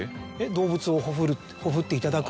動物をほふるほふっていただく。